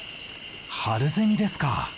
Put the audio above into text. ハルゼミですか。